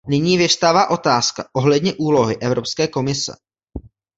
Nyní vyvstává otázka ohledně úlohy Evropské komise.